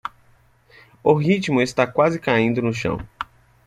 O ritmo está quase caindo no chão